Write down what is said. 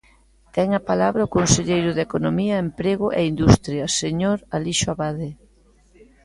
Ten a palabra o conselleiro de Economía, Emprego e Industria, señor Alixo Abade.